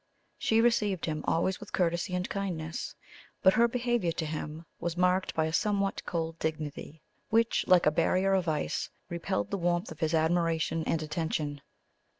She received him always with courtesy and kindness; but her behaviour to him was marked by a somewhat cold dignity, which, like a barrier of ice, repelled the warmth of his admiration and attention.